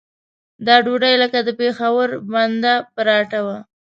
دا ډوډۍ لکه د پېښور بنده پراټه وه.